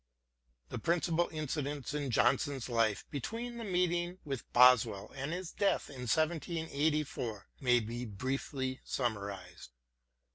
The principal incidents in Johnson's life be tween the meeting with Boswell and his death in 1784 may be briefly summarised.